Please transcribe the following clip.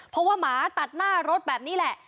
เพราะว่าหมาตัดหน้ารถแบบนี้แหละ